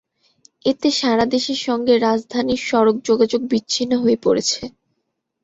এতে সারা দেশের সঙ্গে রাজধানীর সড়ক যোগাযোগ বিচ্ছিন্ন হয়ে পড়েছে।